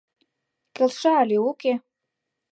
Келша але уке?